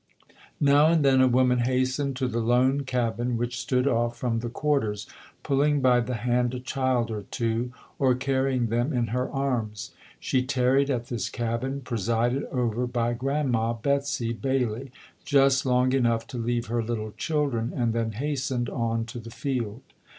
Now and then a woman hastened to the lone cabin which stood off from "the quarters", pull ing by the hand a child or two, or carrying them in her arms. She tarried at this cabin, presided over by "Grandma" Betsy Bailey, just long enough to leave her little children and then hastened on to the field.